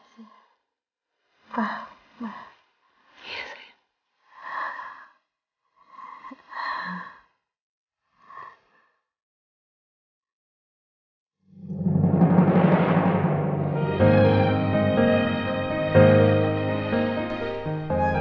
semoga kamu segera mendapatkan kebahagiaan kamu sayangnya